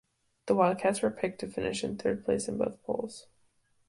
The Wildcats were picked to finish in third place in both polls.